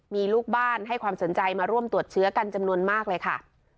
มีลูกบ้านให้ความสนใจมาร่วมตรวจเชื้อกันจำนวนมากเลยค่ะ